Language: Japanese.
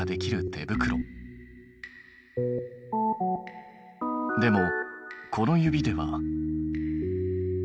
でもこの指では。